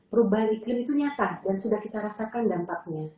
perubahan iklim itu nyata dan sudah kita rasakan dampaknya